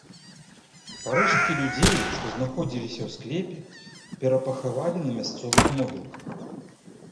Парэшткі людзей, што знаходзіліся ў склепе, перапахавалі на мясцовых могілках.